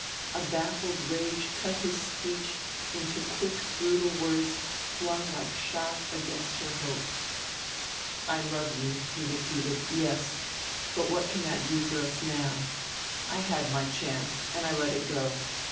A baffled rage cut his speech into quick brutal words flung like shot against her hope. "I love you," he repeated, "yes. But what can that do for us now? I had my chance and I let it go.